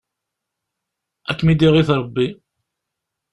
Ad kem-id-iɣit Rebbi!